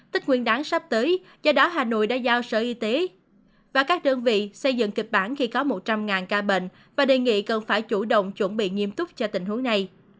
tích nguyên đáng sắp tới do đó hà nội đã giao sở y tế và các đơn vị xây dựng kịch bản khi có một trăm linh ca bệnh và đề nghị cần phải chủ động chuẩn bị nghiêm túc cho tình huống này